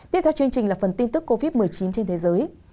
tiếp theo chương trình là phần tin tức covid một mươi chín trên thế giới